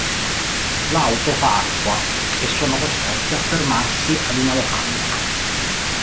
L'auto fa acqua e sono costretti a fermarsi ad una locanda.